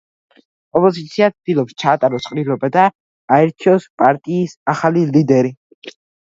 ოპოზიცია ცდილობს ჩაატაროს ყრილობა და აირჩიოს პარტიის ახალი ლიდერი.